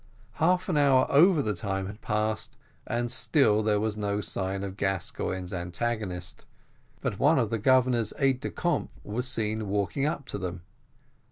Half an hour over the time had passed, and still there was no sign of Gascoigne's antagonist, but one of the Governor's aides de camp was seen walking up to them.